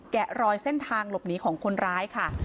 แกะรอยเส้นทางหลบหนีของคนร้ายค่ะ